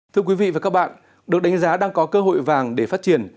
thưa quý vị và các bạn được đánh giá đang có cơ hội vàng để phát triển